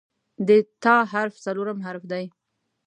د "ت" حرف څلورم حرف دی.